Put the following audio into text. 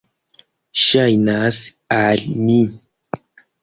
Ŝajnas al mi.